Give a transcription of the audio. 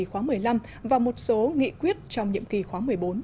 nhiệm kỳ khóa một mươi năm và một số nghị quyết trong nhiệm kỳ khóa một mươi bốn